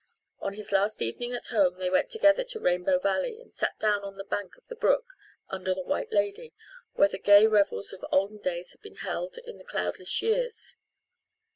On his last evening at home they went together to Rainbow Valley and sat down on the bank of the brook, under the White Lady, where the gay revels of olden days had been held in the cloudless years.